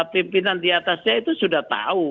pimpinan diatasnya itu sudah tahu